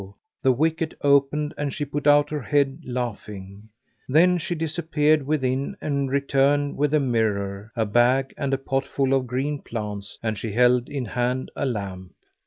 the wicket opened and she put out her head laughing. Then she disappeared within and returned with a mirror, a bag; and a pot full of green plants and she held in hand a lamp.